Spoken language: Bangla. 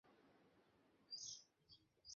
খোঁজ শুরু করব আমি।